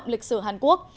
lịch sử hàn quốc